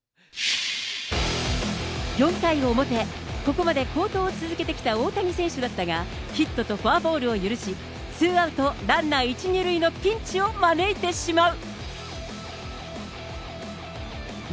４回表、ここまで好投を続けてきた大谷選手だったが、ヒットとフォアボールを許し、ツーアウトランナー１、２塁のピンチを招いてしまう。